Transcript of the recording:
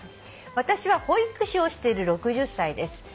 「私は保育士をしている６０歳です」